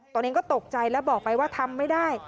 ตัวเองก็ตกใจแล้วบอกไปว่าทำไม่ได้